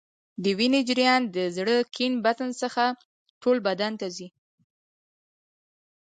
د وینې جریان د زړه کیڼ بطن څخه ټول بدن ته ځي.